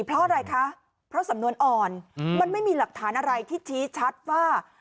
เพราะอะไรคะเพราะสำนวนอ่อนมันไม่มีหลักฐานอะไรที่ชี้ชัดว่า